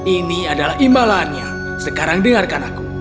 ini adalah imbalannya sekarang dengarkan aku